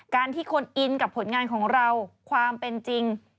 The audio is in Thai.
ที่คนอินกับผลงานของเราความเป็นจริง